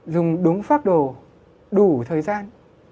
dùng đúng pháp đồ đủ thời gian